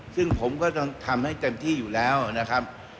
ซึ่งผมก็ต้องทำให้เต็มที่อยู่แล้วนะครับ